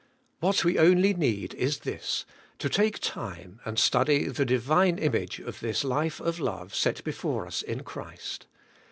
What we only need 176 ABIDE IN CHRIST: is this: to take time and study the Divine image of this life of love set before us in Christ.